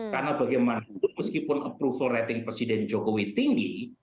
karena bagaimanapun meskipun approval rating presiden jokowi tinggi